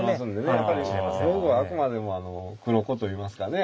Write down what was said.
やっぱり表具はあくまでも黒子といいますかね